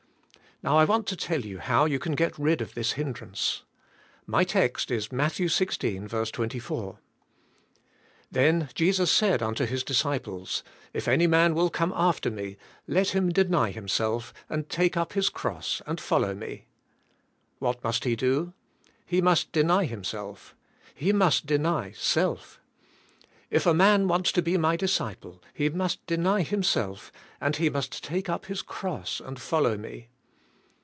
Now I want to tell you how you can g et rid of this hindrance. My text is Matt 16:24. ''Then said Jesus unto His disciples, if any man will come after me, let him deny himself and take up his cross and follow me." What must he do? He must deny himself; he must deny self. If a man wants to be my disciple he must deny himself and he must take up his cross and follow me.